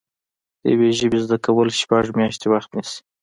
د یوې ژبې زده کول شپږ میاشتې وخت نیسي